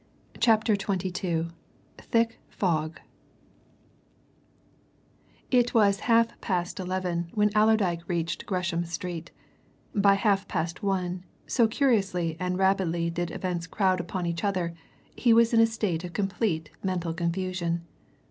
CHAPTER XXII THICK FOG It was half past eleven when Allerdyke reached Gresham Street: by half past one, so curiously and rapidly did events crowd upon each other, he was in a state of complete mental confusion.